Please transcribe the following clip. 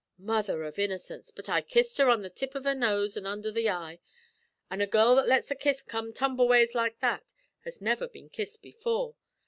Mother av innocence! but I kissed her on the tip av the nose an' undher the eye, an' a girl that lets a kiss come tumbleways like that has never been kissed before.